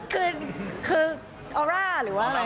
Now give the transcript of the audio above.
คือออร่าหรือว่าอะไร